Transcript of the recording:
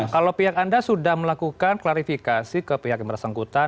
kalau pihak anda sudah melakukan klarifikasi ke pihak yang bersangkutan